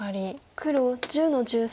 黒１０の十三。